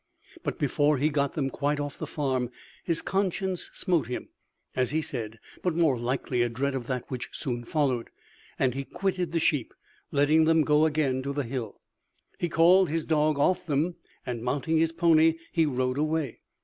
But before he had got them quite off the farm, his conscience smote him, as he said (but more likely a dread of that which soon followed), and he quitted the sheep, letting them go again to the hill. He called his dog off them, and mounting his pony, he rode away.